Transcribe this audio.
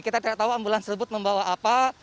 kita tidak tahu ambulans tersebut membawa apa